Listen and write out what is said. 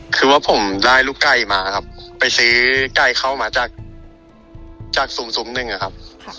คือว่าผมได้ลูกไก่มาครับไปซื้อไก่เข้ามาจากซุมหนึ่งอะครับ